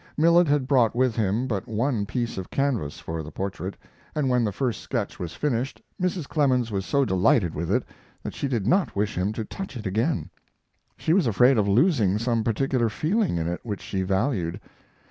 Millet had brought with him but one piece of canvas for the portrait, and when the first sketch was finished Mrs. Clemens was so delighted with it that she did not wish him to touch it again. She was afraid of losing some particular feeling in it which she valued.